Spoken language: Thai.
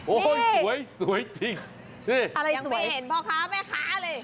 สวยสวยจริงนี่อะไรยังไม่เห็นพ่อค้าแม่ค้าเลย